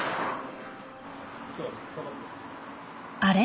あれ？